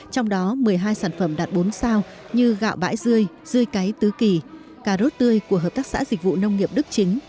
trong đó một mươi hai sản phẩm đạt bốn sao như gạo bãi rươi rươi cái tứ kỳ cà rốt tươi của hợp tác xã dịch vụ nông nghiệp đức chính